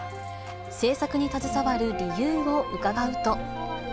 制作に携わる理由を伺うと。